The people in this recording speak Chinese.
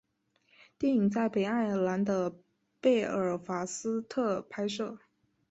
电影在北爱尔兰的贝尔法斯特拍摄。